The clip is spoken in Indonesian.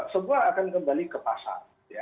semua akan kembali ke pasar